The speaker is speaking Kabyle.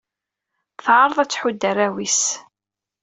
Teɛṛeḍ ad tḥudd arraw-is.